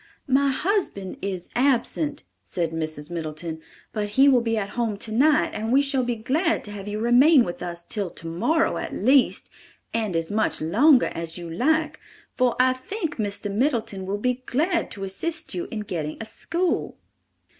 "My husband is absent," said Mrs. Middleton, "but he will be at home tonight and we shall be glad to have you remain with us till tomorrow at least, and as much longer as you like, for I think Mr. Middleton will be glad to assist you in getting a school."